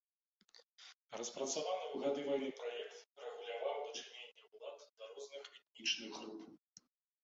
Распрацаваны ў гады вайны праект рэгуляваў дачыненне ўлад да розных этнічных груп.